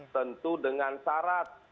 tentu dengan syarat